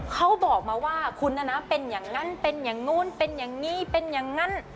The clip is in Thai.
เขาบอกมาว่าคุณนะนะเป็นอย่างนั้นเป็นอย่างนู้นเป็นอย่างนี้เป็นอย่างนั้น